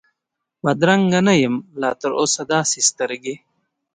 بدرنګه نه یم لا تراوسه داسي سترګې،